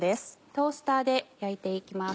トースターで焼いて行きます。